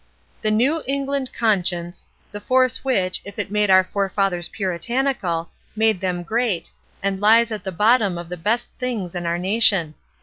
"The New England Conscience, the force which, if it made our forefathers Puritanical, made them great, and hes at the bottom of the HARMONY AND DISCORD 129 best things in our nation.